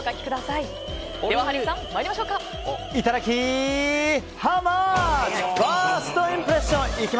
いただき！